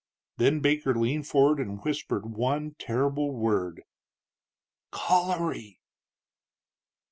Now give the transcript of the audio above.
Then Baker leaned forward and whispered one terrible word, "_Cholery!